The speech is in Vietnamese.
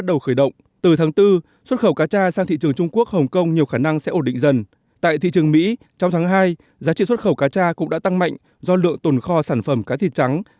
trong tháng hai giá trị xuất khẩu cá trà cũng đã tăng mạnh do lượng tồn kho sản phẩm cá thịt trắng